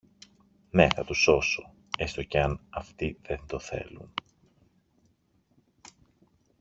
Ναι, θα τους σώσω, έστω και αν αυτοί δεν το θέλουν.